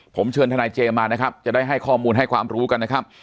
ผมเชิญทนายเจมมานะครับจะได้ให้ข้อมูลให้ความรู้กันนะครับ